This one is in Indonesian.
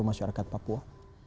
rumah syarikat papua